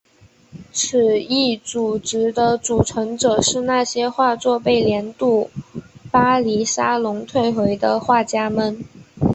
此一组织的组成者是那些画作被年度巴黎沙龙退回的画家们。